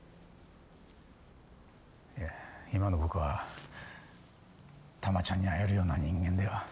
いえ今の僕は珠ちゃんに会えるような人間では。